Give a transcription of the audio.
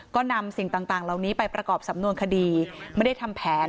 ก็นำสิ่งต่างเหล่านี้ไปประกอบสำนวนคดีไม่ได้ทำแผน